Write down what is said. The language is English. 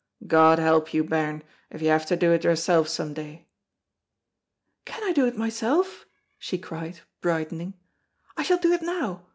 God help you, bairn, if you have to do it yourself some day." "Can I do it myself?" she cried, brightening. "I shall do it now.